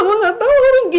mama gak tau harus begini